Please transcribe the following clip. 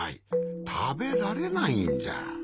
たべられないんじゃ。